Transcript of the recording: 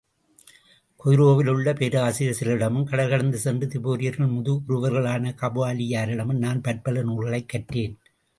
கெய்ரோவிலே உள்ள பேராசிரியர் சிலரிடமும், கடல் கடந்து சென்று திபேரியர்களின் முதுகுரவர்களான கபாலியரிடமும் நான் பற்பல நூல்களைக் கற்றேன்.